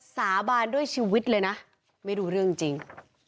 สาบานด้วยชีวิตเลยนะไม่รู้เรื่องจริง